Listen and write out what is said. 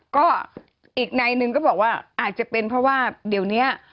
ก็อีกนายหนึ่งก็บอกว่าอาจจะเป็นเพราะว่าเดี๋ยวนี้